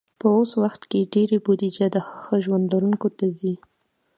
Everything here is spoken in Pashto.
په اوس وخت کې ډېری بودیجه د ښه ژوند لرونکو ته ځي.